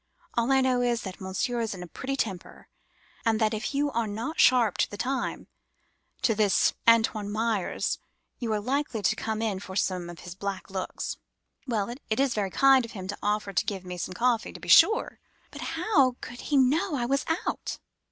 'All I know is, that monsieur is in a pretty temper, and that if you are not sharp to your time at this Antoine Meyer's you are likely to come in for some of his black looks.' "'Well, it is very kind of him to offer to give me some coffee, to be sure! But how could he know I was out?